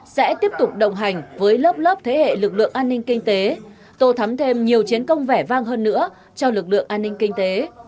sẽ tiếp tục đồng hành với lớp lớp thế hệ lực lượng an ninh kinh tế tô thắm thêm nhiều chiến công vẻ vang hơn nữa cho lực lượng an ninh kinh tế